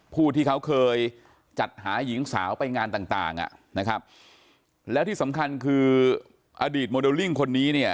ผู้ที่เขาเคยจัดหาหญิงสาวไปงานต่างต่างอ่ะนะครับแล้วที่สำคัญคืออดีตโมเดลลิ่งคนนี้เนี่ย